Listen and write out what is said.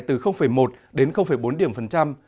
từ một đến bốn điểm phần trăm